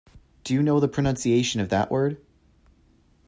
Do you know the pronunciation of that word?